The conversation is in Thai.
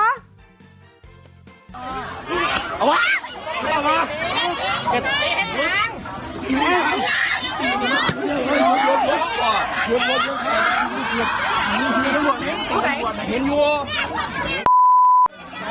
เอามาเอามา